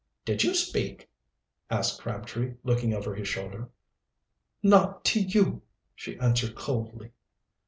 "Did you speak?" asked Crabtree, looking over his shoulder. "Not to you," she answered coldly.